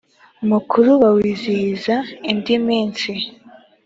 mukuru z bawizihiza indi minsi